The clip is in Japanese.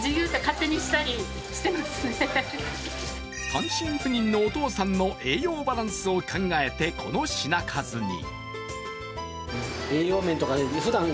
単身赴任のお父さんの栄養バランスを考えて、この品数に。